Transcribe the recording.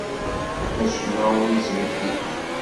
Acemma ur yettbeddil.